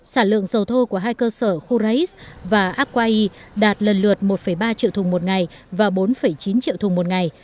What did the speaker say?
sản lượng dầu thô của hai cơ sở khu rais và aquai đạt lần lượt một ba triệu thùng một ngày và bốn chín triệu thùng một ngày